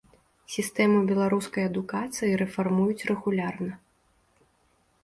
Сістэму беларускай адукацыі рэфармуюць рэгулярна.